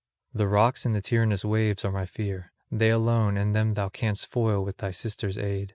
The rocks and the tyrannous waves are my fear, they alone, and them thou canst foil with thy sisters' aid.